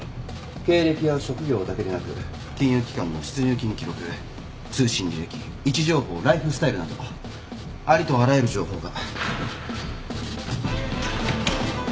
経歴や職業だけでなく金融機関の出入金記録通信履歴位置情報ライフスタイルなどありとあらゆる情報が。